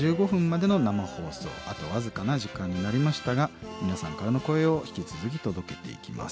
あと僅かな時間になりましたが皆さんからの声を引き続き届けていきます。